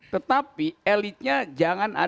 tetapi elitnya jangan akrab akrab